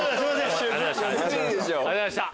ありがとうございます。